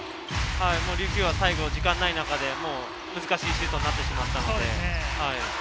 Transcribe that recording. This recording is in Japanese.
琉球は最後、時間のない中で難しいシュートになってしまったので。